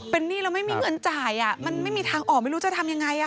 เป็นหนี้แล้วไม่มีเงินจ่ายมันไม่มีทางออกไม่รู้จะทำยังไง